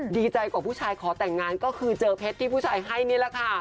ดีใจกว่าผู้ชายขอแต่งงานก็คือเจอเพชรที่ผู้ชายให้นี่แหละค่ะ